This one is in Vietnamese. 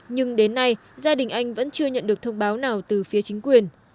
nhưng đến nay gia đình anh vẫn chưa nhận được thông báo nào từ phía chính quyền